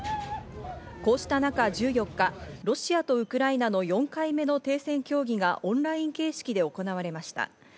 こうした中１４日、ロシアとウクライナの４回目の停戦協議がオンライン形式で行われました。